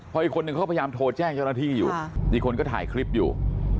พออีกคนนึงเขาพยายามโทรแจ้งเจ้าหน้าที่อยู่อีกคนก็ถ่ายคลิปอยู่